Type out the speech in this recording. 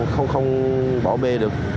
không bỏ bê được